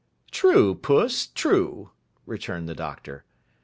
'True, Puss, true,' returned the Doctor.